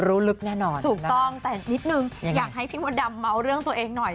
ถูกต้องแต่นิดนึงอยากให้พี่พ่อดำเมาส์เรื่องตัวเองหน่อย